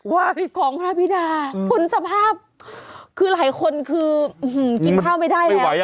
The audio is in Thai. ของพระพิดาคุณสภาพคือหลายคนคือกินข้าวไม่ได้แล้ว